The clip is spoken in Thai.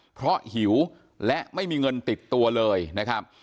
เพราะหิวและไม่มีเงินติดตัวเลยนะครับ